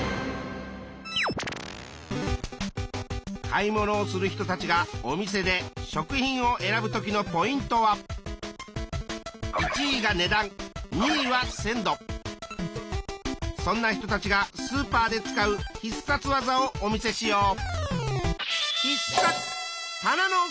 買い物をする人たちがお店で食品を選ぶ時のポイントはそんな人たちがスーパーで使う必殺技をお見せしよう！